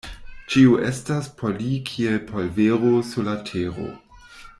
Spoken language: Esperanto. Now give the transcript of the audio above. Ĉio estas por li kiel polvero sur la tero.